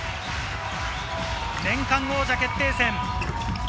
年間王者決定戦。